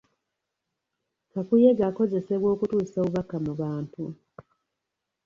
Kakuyege akozesebwa okutuusa obubaka mu bantu.